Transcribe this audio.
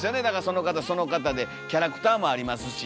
その方その方でキャラクターもありますし。